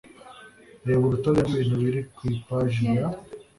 Reba urutonde bw ibintu biri ku ipaji ya